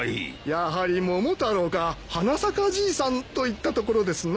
やはり『桃太郎』か『花さかじいさん』といったところですな。